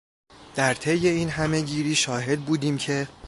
در طی این همهگیری شاهد بودیم که